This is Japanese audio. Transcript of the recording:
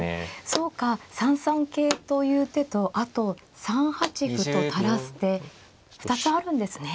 そうか３三桂という手とあと３八歩と垂らす手２つあるんですね。